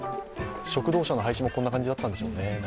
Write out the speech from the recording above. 食堂車の廃止もこんな感じだったんでしょうね。